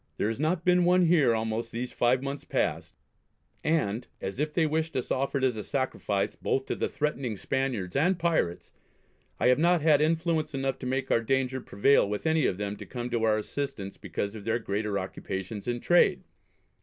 There has not been one here almost these five months past; and, as if they wished us offered as a sacrifice both to the threatening Spaniards and Pirates, I have not had influence enough to make our danger prevail with any of them to come to our assistance because of their greater occupations in trade.